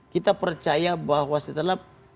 kita percaya bahwa setelah